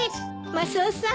マスオさん